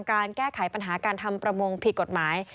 การแก้ไขปัญหาการทำประมงผิดกฎหมาย